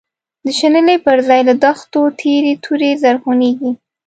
د شنلی بر ځای له دښتو، تیری توری زرعونیږی